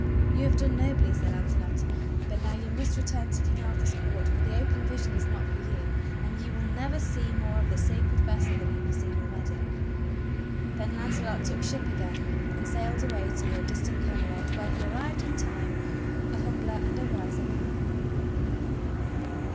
You have done nobly. Sir Launcelot, but now you must return to King Arthur's court, for the open vision is not for you, and you wdll never see more of the Sacred Vessel than you have seen already." Then Launcelot took ship again, and sailed aw^ay toward dis tant Camelot where he arrived in time — a humbler and a wiser man.